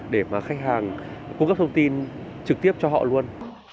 để mà khách hàng cung cấp thông tin trực tiếp cho họ luôn